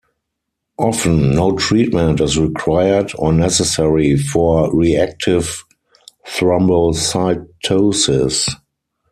Often, no treatment is required or necessary for reactive thrombocytosis.